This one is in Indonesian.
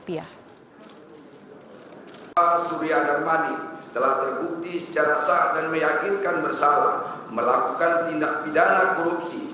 fahzal suria darmadi telah terbukti secara sah dan meyakinkan bersalah melakukan tindak pidana korupsi